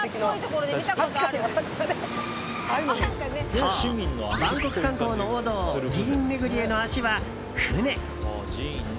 そう、バンコク観光の王道寺院巡りへの足は、船！